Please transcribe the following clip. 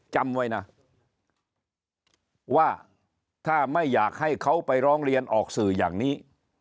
จำไว้นะว่าถ้าไม่อยากให้เขาไปร้องเรียนออกสื่ออย่างนี้